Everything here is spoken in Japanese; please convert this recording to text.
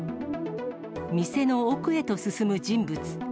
店の奥へと進む人物。